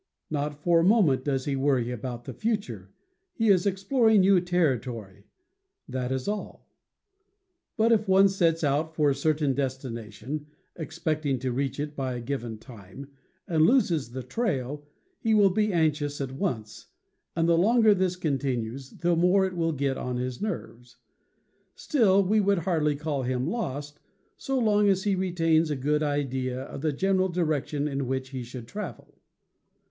Not for a moment does he worry about the future; he is exploring new territory — that is all. But if one sets out for a certain destination, expect ing to reach it by a given time, and loses the trail, he will be anxious at once, and the longer this continues, the more it will get on his nerves. Still we would hardly call him lost, so long as he retains a good idea of the general direction in which he should travel.